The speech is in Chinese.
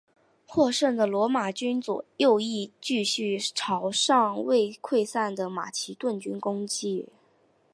获胜的罗马军右翼继续朝尚未溃散的马其顿军攻去。